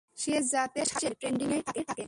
সে যাতে সারা বিশ্বে ট্রেন্ডিংয়ে থাকে।